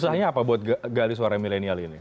susahnya apa buat gali suara milenial ini